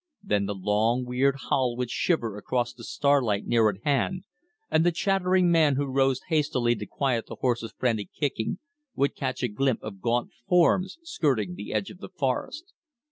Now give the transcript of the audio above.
Then the long weird howl would shiver across the starlight near at hand, and the chattering man who rose hastily to quiet the horses' frantic kicking, would catch a glimpse of gaunt forms skirting the edge of the forest.